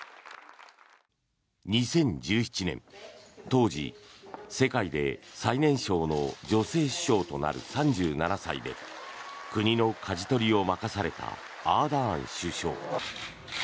２０１７年、当時世界で最年少の女性首相となる３７歳で国のかじ取りを任されたアーダーン首相。